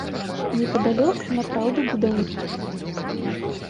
Непадалёк напраўду будаўнічая пляцоўка.